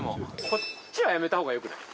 こっちはやめた方がよくない？